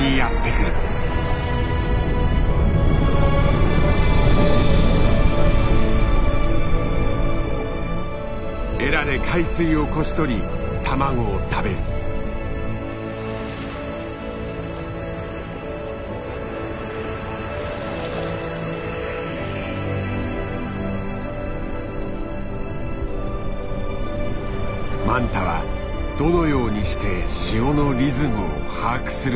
マンタはどのようにして潮のリズムを把握するのだろうか？